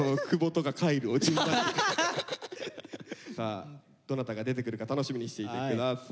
さあどなたが出てくるか楽しみにしていて下さい。